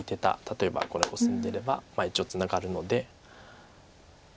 例えばこれコスんでれば一応ツナがるので。